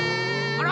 あら！